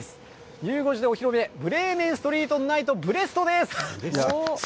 ゆう５時でお披露目、ブレーメンストリートナイトブレストです。